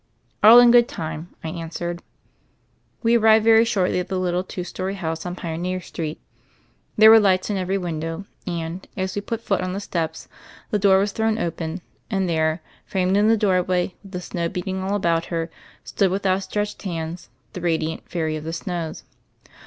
"All in good time," I answered. We arrived very shortly at the little two story house on Pioneer Street. There were lights in every window, and, as we put foot on the steps, the door was thrown open and there, framed in the doorway with the snow beating all about her, stood with outstretched hands the radiant Fairy of the Snows.